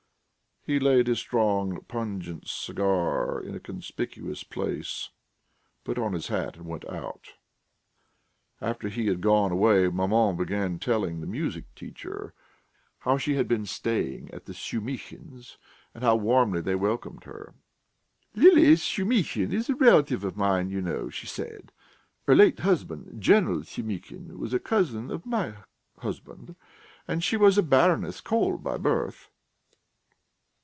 He laid his strong, pungent cigar in a conspicuous place, put on his hat and went out. After he had gone away maman began telling the music teacher how she had been staying at the Shumihins', and how warmly they welcomed her. "Lili Shumihin is a relation of mine, you know," she said. "Her late husband, General Shumihin, was a cousin of my husband. And she was a Baroness Kolb by birth...."